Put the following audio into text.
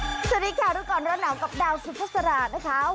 สวัสดีค่ะรู้ก่อนร้อนหนาวกับดาวสุภาษานะคะ